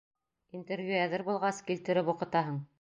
Интервью әҙер булғас, килтереп уҡытаһың.